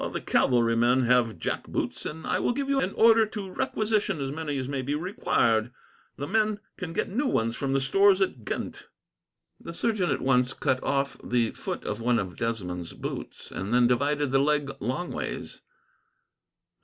All the cavalry men have jack boots, and I will give you an order to requisition as many as may be required. The men can get new ones from the stores at Ghent." The surgeon at once cut off the foot of one of Desmond's boots, and then divided the leg longways.